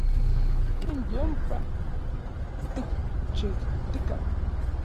Tlen yompa n tikchijtikaj.